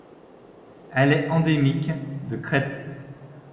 Elle est endémique de Crète.